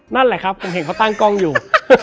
นั่นแหละครับผมเห็นเขาตั้งกล้องอยู่